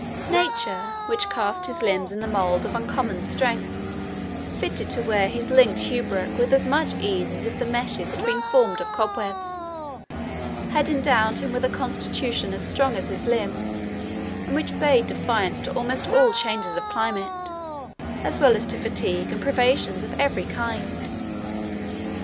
Nature, which cast his limbs in a mould of uncommon strength, fitted to wear his linked hauberk with as much ease as if the meshes had been formed of cobwebs, had endowed him with a constitution as strong as his limbs, and which bade defiance to almost all changes of climate, as well as to fatigue and privations of every kind.